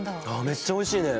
めっちゃおいしいね！